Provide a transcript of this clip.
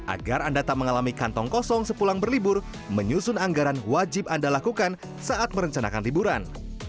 agar anda tak mengalami kantong kosong sepulang berlibur menyusun anggaran wajib anda lakukan saat merencanakan liburan